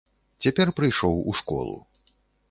Цяпер прыйшоў у школу.